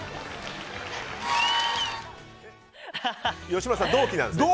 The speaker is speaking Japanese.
吉村さん、同期なんですね。